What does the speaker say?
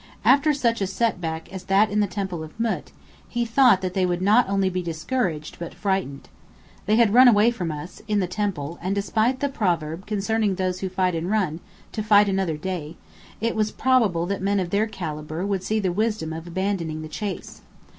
After such a setback as that in the Temple of Mût, he thought they would not only be discouraged but frightened. They had run away from us, in the temple; and despite the proverb concerning those who fight and run, to fight another day, it was probable that men of their calibre would see the wisdom of abandoning the chase.